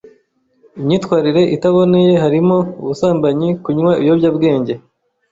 imyitwarire itaboneye harimo ubusambanyi kunywa ibiyoyawenge